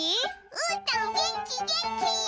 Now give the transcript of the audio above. うーたんげんきげんき！